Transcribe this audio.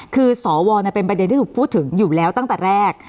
คือสวเป็นประเด็นที่ถูกพูดถึงอยู่แล้วตั้งแต่แรก